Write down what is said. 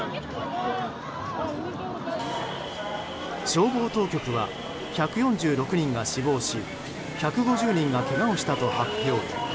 消防当局は１４６人が死亡し１５０人がけがをしたと発表。